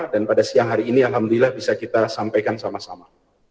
dan pada siang hari ini alhamdulillah bisa kita sampaikan sama sama